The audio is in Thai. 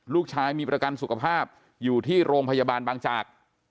ลูกชายมีประกันสุขภาพอยู่ที่โรงพยาบาลบางจาก